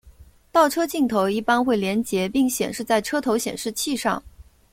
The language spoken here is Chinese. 倒车镜头一般会连结并显示在车头显示器上。